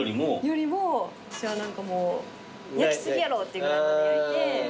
よりも私は何かもう焼き過ぎやろってぐらいまで焼いて。